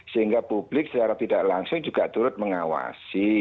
sehingga publik secara tidak langsung juga turut mengawasi